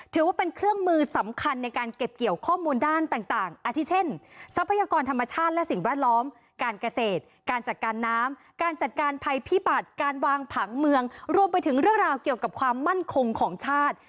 ถือว่าเป็นเครื่องมือสำคัญในการเก็บเกี่ยวข้อมูลด้านต่างอาทิเช่นทรัพยากรธรรมชาติและสิ่งแวดล้อมการเกษตรการจัดการน้ำการจัดการภัยพิบัติการวางผังเมืองรวมไปถึงเรื่องราวเกี่ยวกับความมั่นคงของชาติ